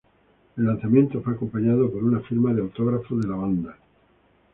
El lanzamiento fue acompañado por una firma de autógrafos de la banda.